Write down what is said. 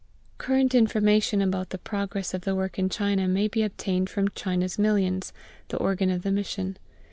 Current information about the progress of the work in China may be obtained from China's Millions, the organ of the Mission.